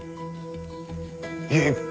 いえ